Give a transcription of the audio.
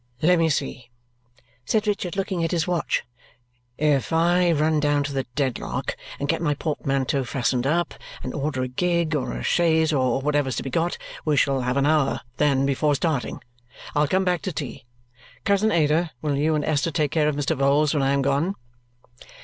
"Let me see," said Richard, looking at his watch. "If I run down to the Dedlock, and get my portmanteau fastened up, and order a gig, or a chaise, or whatever's to be got, we shall have an hour then before starting. I'll come back to tea. Cousin Ada, will you and Esther take care of Mr. Vholes when I am gone?"